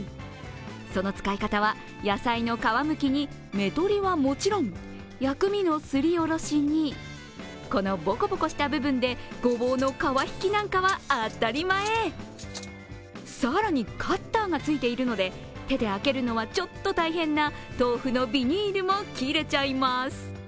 その使い方は、野菜の皮むきに、芽とりはもちろん、薬味のすりおろしにこのボコボコした部分でごぼうの皮引きなんかは当たり前更に、カッターがついているので、手で開けるのはちょっと大変な豆腐のビニールも切れちゃいます。